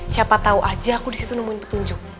siapa tahu aja aku disitu nemuin petunjuk